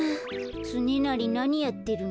つねなりなにやってるの？